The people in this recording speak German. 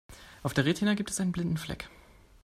Auf der Retina gibt es einen blinden Fleck.